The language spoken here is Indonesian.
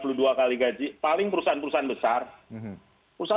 paling perusahaan perusahaan besar perusahaan perusahaan besar juga menurut anda